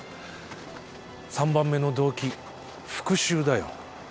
３番目の動機復讐だよ。